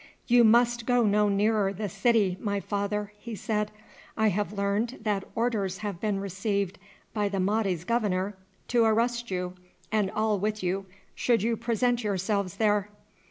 "You must go no nearer the city, my father," he said. "I have learned that orders have been received by the Mahdi's governor to arrest you and all with you should you present yourselves there.